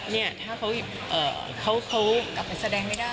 นี่ถ้าเขาเขาเขากลับไปแสดงไม่ได้